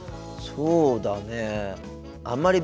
そうだね。